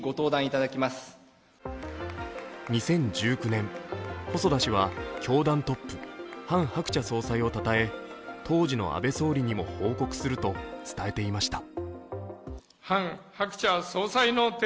２０１９年、細田氏は教団トップ、ハン・ハクチャ総裁をたたえ、当時の安倍総理にも報告すると伝えていました。